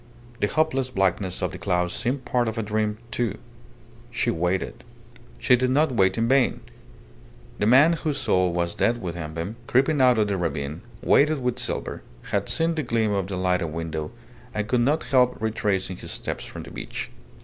The hopeless blackness of the clouds seemed part of a dream, too. She waited. She did not wait in vain. The man whose soul was dead within him, creeping out of the ravine, weighted with silver, had seen the gleam of the lighted window, and could not help retracing his steps from the beach.